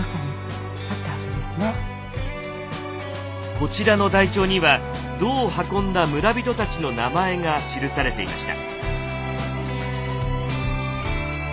こちらの台帳には銅を運んだ村人たちの名前が記されていました。